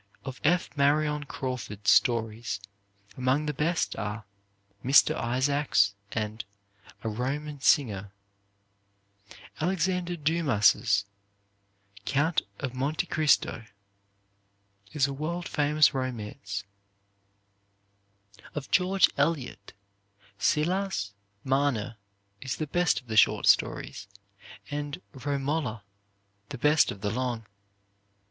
Of F. Marion Crawford's stories, among the best are "Mr. Isaacs" and "A Roman Singer." Alexander Dumas' "Count of Monte Christo" [Transcriber's note: "Cristo"?] is a world famous romance. Of George Eliot, "Silas Marner" is the best of the short stories, and "Romola" the best of the long.